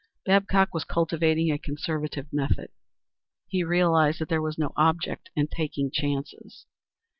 Babcock was cultivating a conservative method: He realized that there was no object in taking chances.